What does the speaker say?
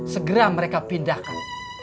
segera mereka pindahkan